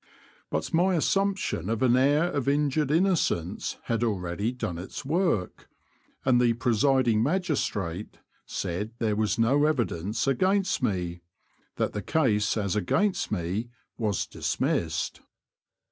But my assumption of an air of injured in nocence had alreadv done its work, and the presiding Magistrate said there was no evi dence against me ; that the case as against me was dismissed.